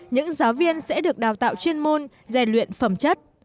những giáo viên sẽ được đào tạo chuyên môn rèn luyện phẩm chất